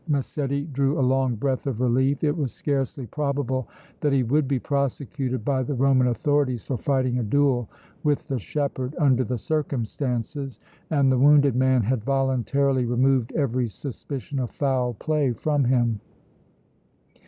Massetti drew a long breath of relief. It was scarcely probable that he would be prosecuted by the Roman authorities for fighting a duel with the shepherd under the circumstances, and the wounded man had voluntarily removed every suspicion of foul play from him.